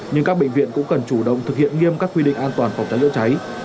nhưng các bệnh viện cũng cần chủ động thực hiện nghiêm các quy định an toàn phòng cháy chữa cháy